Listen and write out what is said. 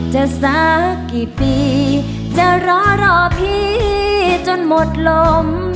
สักกี่ปีจะรอรอพี่จนหมดลม